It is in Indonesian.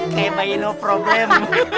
kayak bayi lo problem